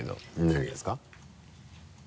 何がですか？